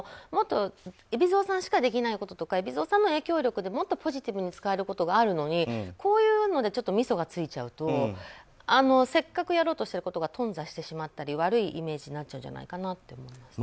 もっと海老蔵さんしかできないこととか海老蔵さんの影響力でもっとポジティブに使えることがあるのにこういうのでみそがついちゃうとせっかくやろうとしてることが頓挫してしまったり悪いイメージがついちゃうんじゃないかなと。